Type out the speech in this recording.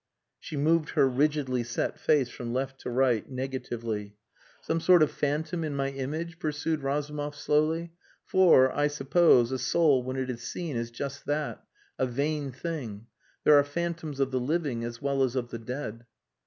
She moved her rigidly set face from left to right, negatively. "Some sort of phantom in my image?" pursued Razumov slowly. "For, I suppose, a soul when it is seen is just that. A vain thing. There are phantoms of the living as well as of the dead."